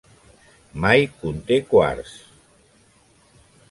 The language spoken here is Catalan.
Mai conté quars.